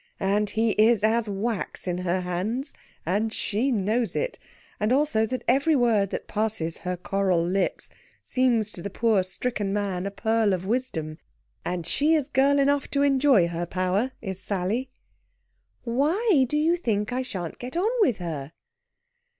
And he is as wax in her hands, and she knows it, and also that every word that passes her coral lips seems to the poor stricken man a pearl of wisdom. And she is girl enough to enjoy her power, is Sally. "Why do you think I shan't get on with her?"